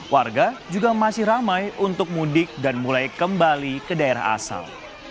warga juga masih ramai untuk mudik dan mulai kembali ke daerah asal